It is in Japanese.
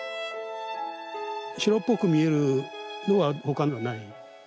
白っぽく見えるのはほかのはない。